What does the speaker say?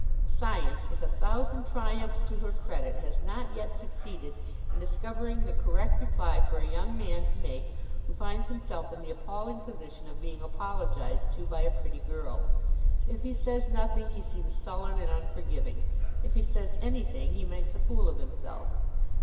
Science, with a thousand triumphs to her credit, has not yet succeeded in discovering the correct reply for a young man to make who finds himself in the appalling position of being apologized to by a pretty girl. If he says nothing he seems sullen and unforgiving. If he says anything he makes a fool of himself.